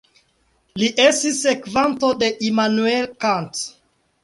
Li estis sekvanto de Immanuel Kant.